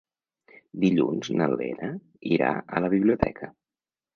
Dilluns na Lena irà a la biblioteca.